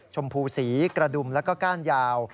ชมพูสีกระดุมแล้วก็ก้านยาว